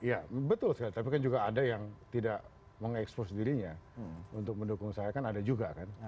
ya betul sekali tapi kan juga ada yang tidak mengekspos dirinya untuk mendukung saya kan ada juga kan